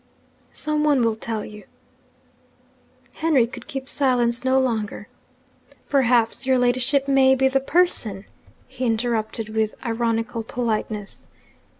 'Some one will tell you.' Henry could keep silence no longer. 'Perhaps, your ladyship may be the person?' he interrupted with ironical politeness.